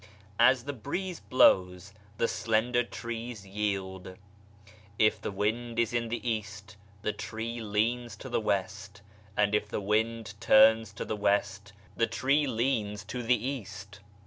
As the breeze blows, the slender trees yield. If the wind is in the East the tree leans to the West, and if the wind turns to the West the tree leans to the East.